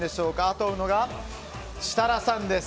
後を追うのが設楽さんです。